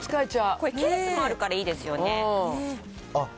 これ、ケースもあるからいいですよね。